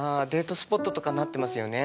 スポットとかなってますよね。